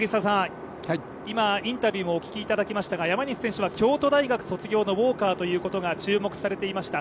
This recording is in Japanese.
今、インタビューもお聞きいただきましたが山西選手は京都大学卒業のウォーカーということが注目されていました。